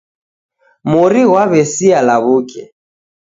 Mori ghwaw'esia law'uke